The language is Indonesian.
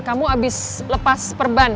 kamu abis lepas perban